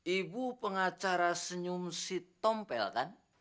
ibu pengacara senyum si tompel kan